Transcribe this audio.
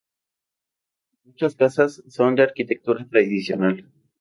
Muchas casas son de arquitectura tradicional.